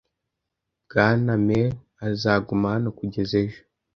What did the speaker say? Bwana Mailer azaguma hano kugeza ejo.